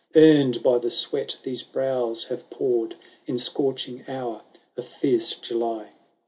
705 "Earned by the sweat these brows have poured, In scorching hour of fierce July."